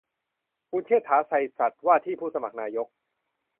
คุณเชษฐา ไชยสัตย์ ว่าที่ผู้สมัครนายก